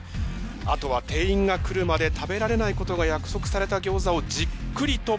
あとは店員が来るまで食べられないことが約束されたギョーザをじっくりとパス回し。